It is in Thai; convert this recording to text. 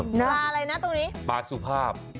ปลาอะไรนะตรงนี้ปลาสุภาพ